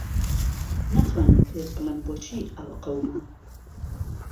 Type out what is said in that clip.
ناتوانم پێت بڵێم بۆچی ئەوە قەوما.